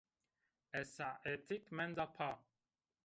Ez saetêk menda pa